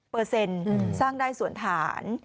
๓๐เปอร์เซ็นท์สร้างได้ส่วนฐาน